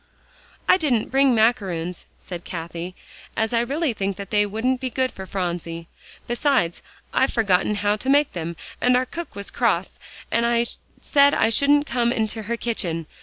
"I didn't bring macaroons," said Cathie, "as I really think that they wouldn't be good for Phronsie. Besides, I've forgotten how to make them, and our cook was cross and said I shouldn't come into her kitchen.